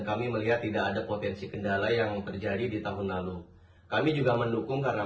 kami melihat tidak ada potensi kendala yang terjadi di tahun lalu kami juga mendukung karena